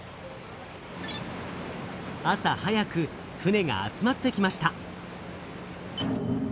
朝早く船が集まってきました。